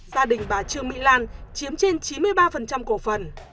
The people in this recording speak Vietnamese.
gia đình bà trương mỹ lan chiếm trên chín mươi ba cổ phần